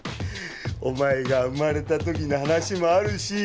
お前が生まれた時の話もあるし。